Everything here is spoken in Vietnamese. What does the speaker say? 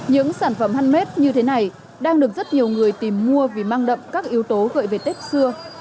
những sản phẩm handmade như thế này đang được rất nhiều người tìm mua vì mang đậm các yếu tố gợi về tết xưa